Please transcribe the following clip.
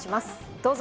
どうぞ。